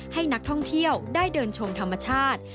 ให้นักท่องเที่ยวได้เดินชมธรรมชาติ